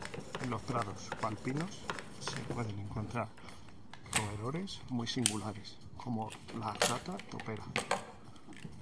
En los prados subalpinos se pueden encontrar roedores muy singulares, como la rata topera.